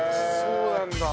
そうなんだ。